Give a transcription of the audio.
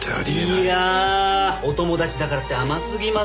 いやあお友達だからって甘すぎません？